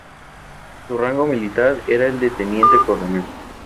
Su rango militar era el de teniente-coronel.